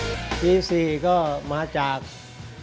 กล่าวค้านถึงกุ้ยเตี๋ยวลุกชิ้นหมูฝีมือลุงส่งมาจนถึงทุกวันนี้นั่นเองค่ะ